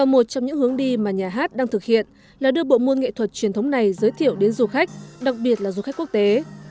môn nghệ thuật truyền thống này giới thiệu đến du khách đặc biệt là du khách quốc tế